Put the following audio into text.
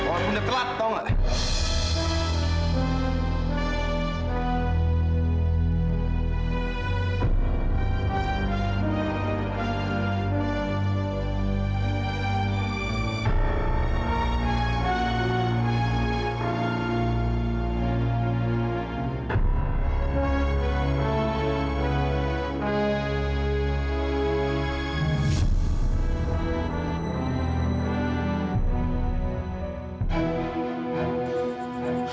aku udah telat tau gak lo